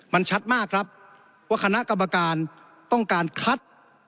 มันชัดมากครับว่าคณะกรรมการต้องการคัด